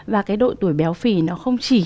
và cái đội tuổi béo phì nó không chỉ